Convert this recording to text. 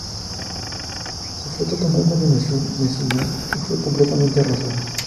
Su flota tomó a continuación Mesina, que fue completamente arrasada.